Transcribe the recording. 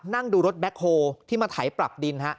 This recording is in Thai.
นั่งดูรถแบ็คโฮที่มาไถปรับดินฮะ